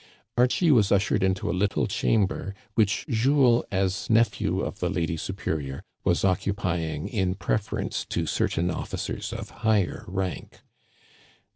Archie was ushered into a little chamber which Jules, as nephew of the lady superior, was occupying in pref erence to certain officers of higher rank.